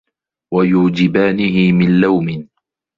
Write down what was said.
وَيُوجِبَانِهِ مِنْ لَوْمٍ